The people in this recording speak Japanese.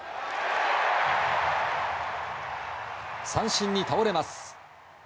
三振に倒れます。